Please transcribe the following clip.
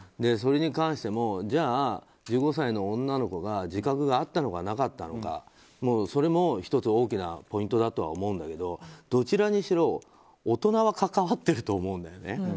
それに関してもじゃあ１５歳の女の子が自覚があったのかなかったのかそれも１つ大きなポイントだとは思うんだけどどちらにしろ大人は関わってると思うんだよね。